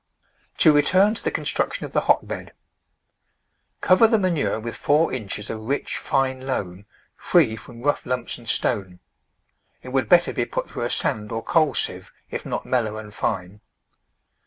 To return to the construction of the hotbed : Cover the manure with four inches of rich, fine loam, free from rough lumps and stone ; it would better be put through a sand or coal sieve if not mellow and fine.